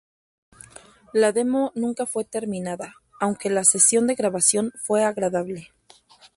La demo nunca fue terminada, aunque la sesión de grabación fue agradable.